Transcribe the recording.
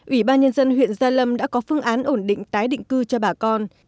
ủy ban nhân dân huyện gia lâm đã có phương án ổn định tái định cư cho bà con